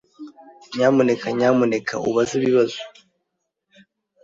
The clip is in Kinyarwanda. Nyamuneka nyamuneka ubaze ibibazo.